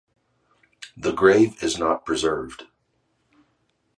The grave is not preserved.